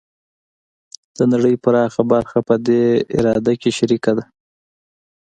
د نړۍ پراخه برخه په دې اراده کې شریکه وه.